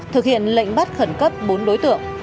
thực hiện lệnh bắt khẩn cấp bốn đối tượng